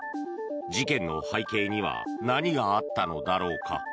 事件の背景には何があったのだろうか。